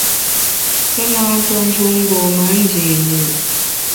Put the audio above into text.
Pe nâ ntue njun mgbom-a ndî li’.